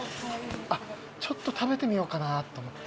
ちょっと食べてみようかなと思って。